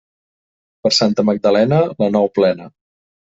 Per Santa Magdalena, la nou plena.